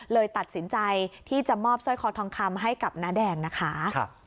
เลยตัดสินใจที่จะมอบสร้อยคอทองคำให้กับน้าแดงนะคะ